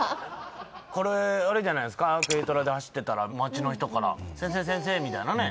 これあれじゃないすか軽トラで走ってたら町の人から「先生先生」みたいなね